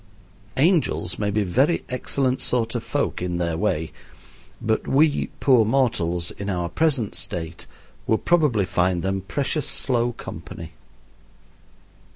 Angels may be very excellent sort of folk in their way, but we, poor mortals, in our present state, would probably find them precious slow company.